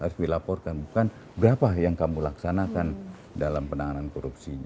harus dilaporkan bukan berapa yang kamu laksanakan dalam penanganan korupsinya